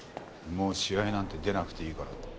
もう試合なんて出なくていいからって。